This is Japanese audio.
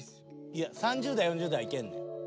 いや３０代４０代はいけんねん。